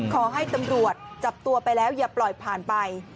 ขอให้ตำรวจจับตัวไปแล้วอย่าปล่อยผ่านไป